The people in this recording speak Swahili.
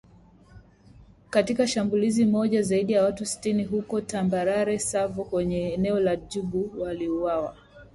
Katika shambulizi moja, zaidi ya watu sitini huko tambarare Savo kwenye eneo la Djubu waliuawa